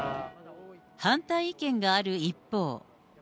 反対意見がある一方。